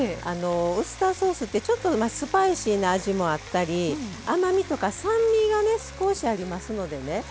ウスターソースって、ちょっとスパイシーな味もあったり甘みとか酸味が少しありますんでね